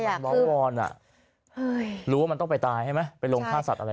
ล้อวอนอ่ะรู้ว่ามันต้องไปตายใช่ไหมไปลงฆ่าสัตว์อะไร